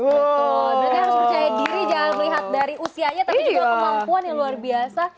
betul berarti harus percaya diri jangan melihat dari usianya tapi juga kemampuan yang luar biasa